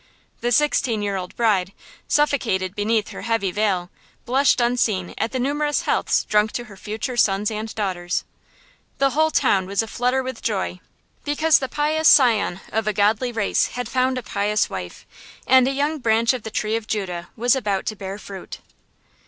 The sixteen year old bride, suffocated beneath her heavy veil, blushed unseen at the numerous healths drunk to her future sons and daughters. The whole town was a flutter with joy, because the pious scion of a godly race had found a pious wife, and a young branch of the tree of Judah was about to bear fruit.